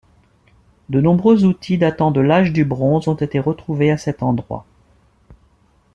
De nombreux outils datant de l'âge du bronze ont été retrouvés à cet endroit.